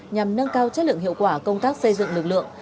nhằm nâng cao chất lượng hiệu quả công tác xây dựng lực lượng